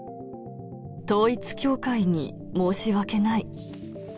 統一教会に申し訳ない。